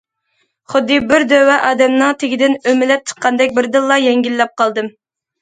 خۇددى بىر دۆۋە ئادەمنىڭ تېگىدىن ئۆمىلەپ چىققاندەك بىردىنلا يەڭگىللەپ قالدىم.